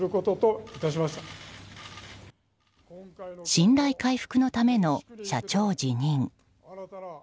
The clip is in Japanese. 信頼回復のための社長辞任。